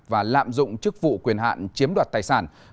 và lạm dụng chức vụ quyền hạn chiếm đoạt tài sản